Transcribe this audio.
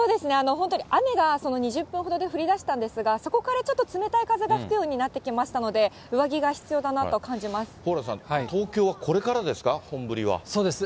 本当に雨が２０分ほどで降りだしたんですが、そこからちょっと冷たい風が吹くようになってきましたので、上着蓬莱さん、東京はこれからでそうです。